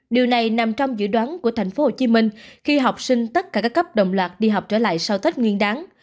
điều này nằm trong dự đoán của tp hcm khi học sinh tất cả các cấp đồng loạt đi học trở lại sau tết nguyên đáng